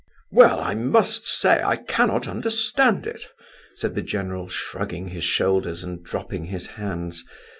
"Well, I must say, I cannot understand it!" said the general, shrugging his shoulders and dropping his hands.